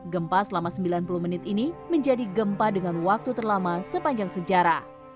gempa selama sembilan puluh menit ini menjadi gempa dengan waktu terlama sepanjang sejarah